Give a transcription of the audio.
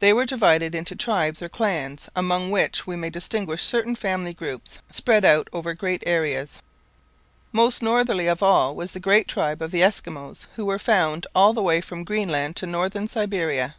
They were divided into tribes or clans, among which we may distinguish certain family groups spread out over great areas. Most northerly of all was the great tribe of the Eskimos, who were found all the way from Greenland to Northern Siberia.